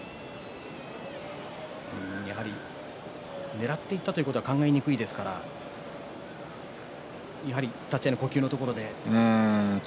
ねらっていったということは考えにくいですから立ち合いの呼吸のところですかね。